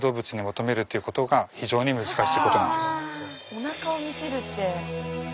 おなかを見せるって。